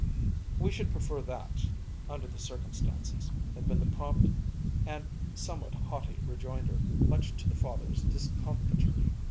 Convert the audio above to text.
"We should prefer that, under the circumstances," had been the prompt and somewhat haughty rejoinder, much to the father's discomfiture.